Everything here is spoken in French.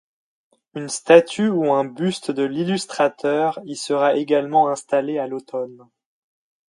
Une statue ou un buste de l'illustrateur y sera également installée à l'automne.